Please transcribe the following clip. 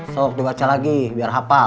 sok dibaca lagi biar hafal